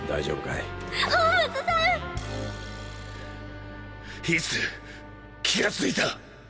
いつ気が付いた？